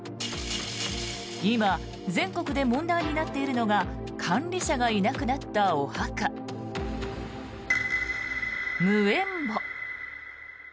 今、全国で問題になっているのが管理者がいなくなったお墓無縁墓。